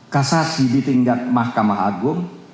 kasasi di tingkat mahkamah agung